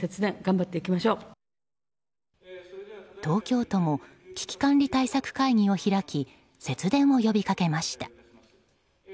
東京都も危機管理対策会議を開き節電を呼びかけました。